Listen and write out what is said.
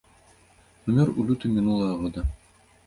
Памёр у лютым мінулага года.